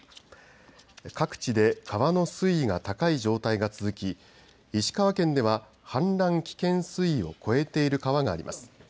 各地で川の水位が高い状態が続き石川県では氾濫危険水位を超えている川があります。